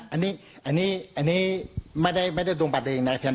อันนี้ไม่ได้ตรงบัตรเองนะ